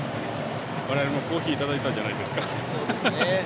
我々もコーヒーいただいたじゃないですか。